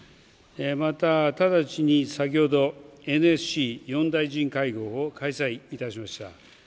また直ちに、先ほどＮＳＣ４大臣会合を開催いたしました。